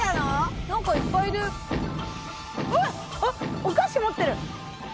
お菓子、持ってる。